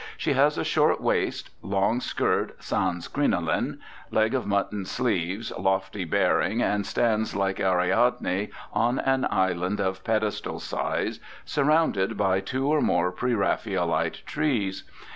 She has a short waist, long skirt sans crinoline, leg of mutton sleeves, lofty bearing, and stands like Ariadne on an island of pedestal size, surrounded by two or more pre Raphaelite trees.